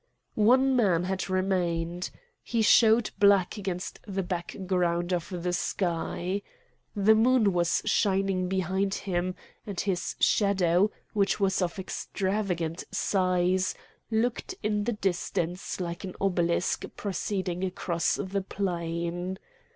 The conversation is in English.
One man had remained. He showed black against the background of the sky. The moon was shining behind him, and his shadow, which was of extravagant size, looked in the distance like an obelisk proceeding across the plain.